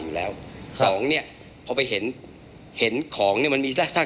มีการที่จะพยายามติดศิลป์บ่นเจ้าพระงานนะครับ